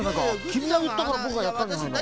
きみがいったからぼくがやったんじゃないか。